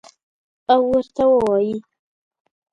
او ورته ووایي: